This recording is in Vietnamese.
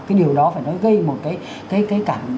cái điều đó phải nói gây một cái cảm